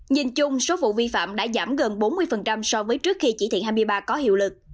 nhìn chung số vụ vi phạm đã giảm gần bốn mươi so với trước khi chỉ thị hai mươi ba có hiệu lực